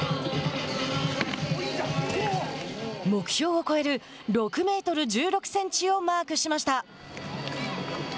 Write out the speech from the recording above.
目標を超える６メートル１６センチをマークしました。